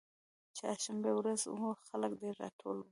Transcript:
د چهارشنبې ورځ وه خلک ډېر راټول وو.